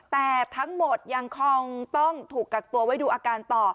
แต่ทั้งหมดยังคงต้องถูกกักตัวไว้ดูอาการต่อ